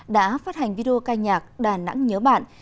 đã phát hành video ca nhạc đà nẵng nhớ bạn